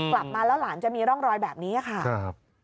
กลับมาแล้วหลานจะมีร่องรอยแบบนี้ค่ะ